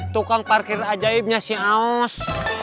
tukang parkir ajaibnya si aus